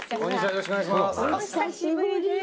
よろしくお願いします」